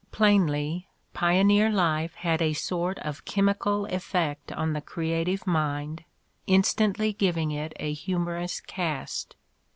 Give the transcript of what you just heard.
Plainly, pioneer life had a sort of chemical effect on the creative mind, instantly giving it a humor ous cast.